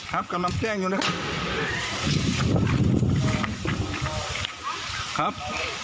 กำลังแจ้งอยู่นะครับ